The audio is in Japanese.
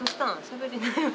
しゃべりなよ。